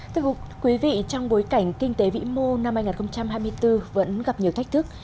thưa quý vị trong bối cảnh kinh tế vĩ mô năm hai nghìn hai mươi bốn vẫn gặp nhiều thách thức